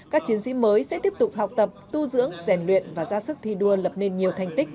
các chiến sĩ mới sẽ tiếp tục học tập tu dưỡng rèn luyện và ra sức thi đua lập nên nhiều thành tích